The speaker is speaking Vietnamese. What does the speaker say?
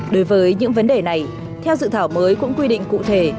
đối với những vấn đề này theo dự thảo mới cũng quy định cụ thể